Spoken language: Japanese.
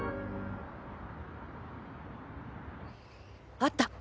あった！